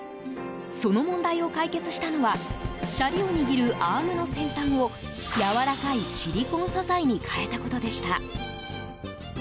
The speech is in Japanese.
その問題を解決したのはシャリを握るアームの先端をやわらかいシリコン素材に変えたことでした。